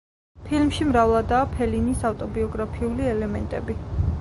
ფილმში მრავლადაა ფელინის ავტობიოგრაფიული ელემენტები.